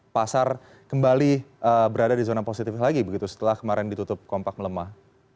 pasar kembali berada di zona positif lagi begitu setelah kemarin ditutup kompak melemah